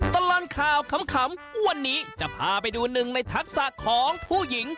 ตลอดข่าวขำวันนี้จะพาไปดูหนึ่งในทักษะของผู้หญิง